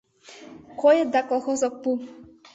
— Койыт, да колхоз ок пу.